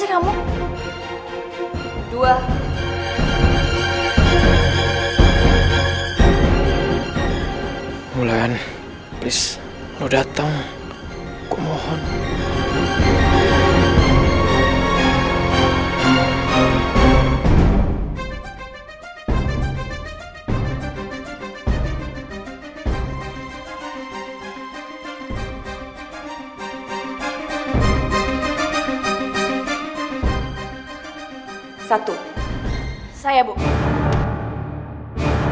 kau disana terbaring nyata